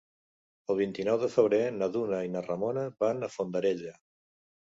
El vint-i-nou de febrer na Duna i na Ramona van a Fondarella.